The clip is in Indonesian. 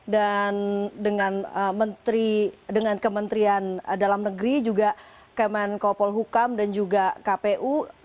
dan dengan kementerian dalam negeri juga kemenkopol hukam dan juga kpu